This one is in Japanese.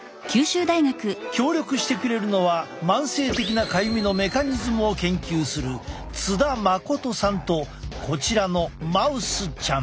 協力してくれるのは慢性的なかゆみのメカニズムを研究する津田誠さんとこちらのマウスちゃん。